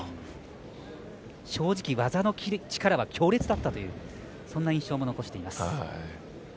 正直、技の力は強烈だったというそんな印象も残しています。